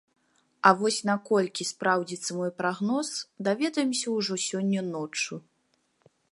А вось наколькі спраўдзіцца мой прагноз, даведаемся ўжо сёння ноччу.